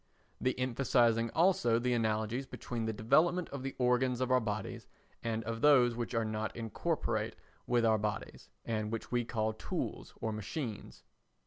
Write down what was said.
The emphasising also the analogies between the development of the organs of our bodies and of those which are not incorporate with our bodies and which we call tools or machines.